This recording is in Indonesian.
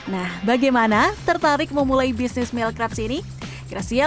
nah bagaimana tertarik memulai bisnis milk crepes ini